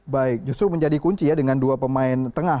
baik justru menjadi kunci ya dengan dua pemain tengah